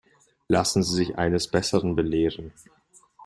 Lassen Sie sich eines Besseren belehren.